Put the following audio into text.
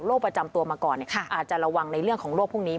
ประจำตัวมาก่อนอาจจะระวังในเรื่องของโรคพวกนี้